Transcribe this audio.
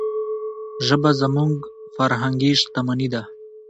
ژبه زموږ فرهنګي شتمني ده.